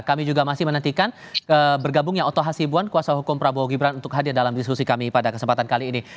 kami juga masih menantikan bergabungnya oto hasibuan kuasa hukum prabowo gibran untuk hadir dalam diskusi kami pada kesempatan kali ini